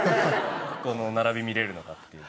この並び見れるのがっていうの。